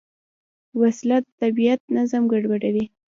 وسله د طبیعت نظم ګډوډوي